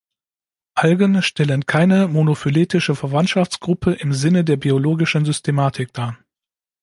Algen stellen keine monophyletische Verwandtschaftsgruppe im Sinne der biologischen Systematik dar.